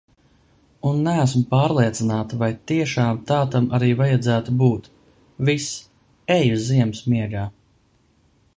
Un neesmu pārliecināta, vai tiešām tā tam arī vajadzētu būt. Viss, eju ziemas miegā!